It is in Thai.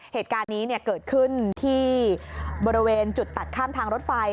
เหตุการณ์นี้เกิดขึ้นที่บริเวณจุดตัดข้ามทางรถไฟ